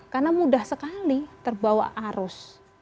karena mudah sekali terbawa arus